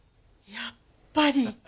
やっぱり。